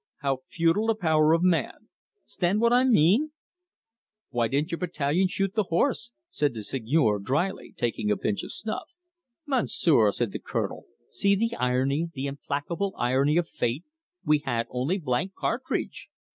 How futile the power of man 'stand what I mean?" "Why didn't your battalion shoot the horse?" said the Seigneur drily, taking a pinch of snuff. "Monsieur," said the Colonel, "see the irony, the implacable irony of fate we had only blank cartridge!